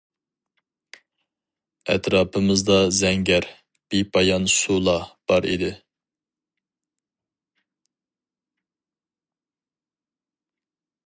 ئەتراپىمىزدا زەڭگەر، بىپايان سۇلا بار ئىدى.